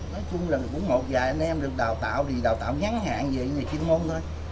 nói chung là cũng một vài anh em được đào tạo thì đào tạo nhắn hạn về chuyên môn thôi